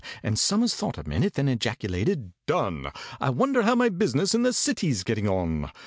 And SOMERS thought a minute, then ejaculated, "Done! I wonder how my business in the City's getting on?"